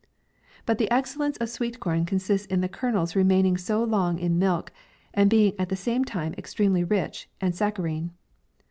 But the excellence of sweet corn consists in the kernels remain ing so long in milk, and being at the same time extremely rich and saccharine.